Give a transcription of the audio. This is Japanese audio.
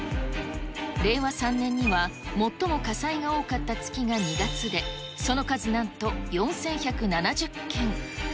令和３年には最も火災が多かった月が２月で、その数なんと４１７０件。